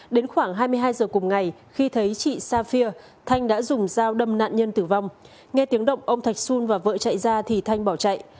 đến khoảng hai mươi hai giờ cùng ngày khi thấy chị sa phia thanh đã dùng dao đâm nạn nhân tử vong nghe tiếng động ông thạch xuân và vợ chạy ra thì thanh bỏ chạy